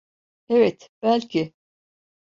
Evet, belki.